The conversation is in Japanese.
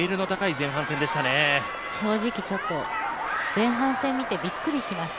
正直、ちょっと前半戦見てびっくりしました。